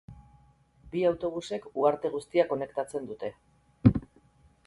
Bi autobusek uharte guztia konektatzen dute.